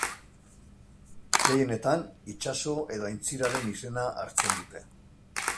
Gehienetan, itsaso edo aintziraren izena hartzen dute.